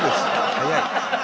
早い。